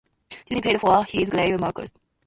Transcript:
Disney paid for his grave marker.